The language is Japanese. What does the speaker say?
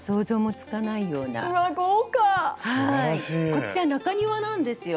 こちら中庭なんですよ。